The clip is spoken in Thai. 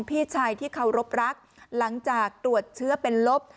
พี่ชายที่เคารพรักหลังจากตรวจเชื้อเป็นลบ